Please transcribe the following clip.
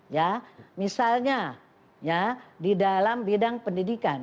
ya misalnya ya di dalam bidang pendidikan